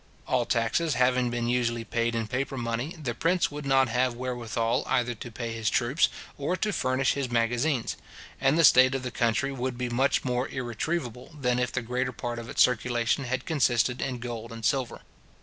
All taxes having been usually paid in paper money, the prince would not have wherewithal either to pay his troops, or to furnish his magazines; and the state of the country would be much more irretrievable than if the greater part of its circulation had consisted in gold and silver.